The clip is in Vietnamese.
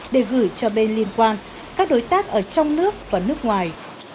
để gửi cho bên liên quan các đối tác ở trong nước và nước ngoài